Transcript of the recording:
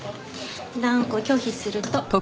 断固拒否すると。